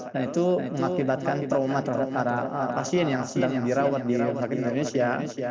dan itu mengakibatkan trauma terhadap pasien yang dirawat di rumah sakit indonesia